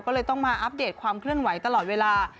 ก็เลยต้องมาอัปเดตความเคลื่อนไหวตลอดเวลา